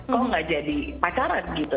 kok nggak jadi pacaran gitu